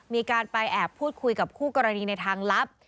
มีการไปแอบพูดคุยกับคู่กรณีในทางลับ